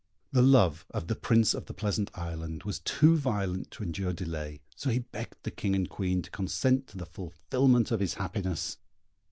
The love of the Prince of the Pleasant Island was too violent to endure delay, so he begged the King and Queen to consent to the fulfilment of his happiness.